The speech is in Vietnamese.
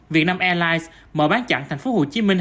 việt nam airlines mở bán chặng thành phố hồ chí minh